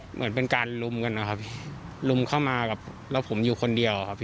เหมือนเป็นการลุมกันลุมเข้ามาแล้วผมอยู่คนเดียว